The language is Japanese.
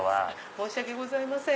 申し訳ございません